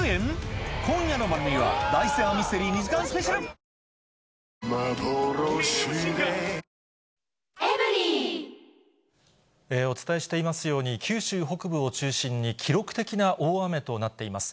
新「ブローネ泡カラー」「ブローネ」お伝えしていますように、九州北部を中心に記録的な大雨となっています。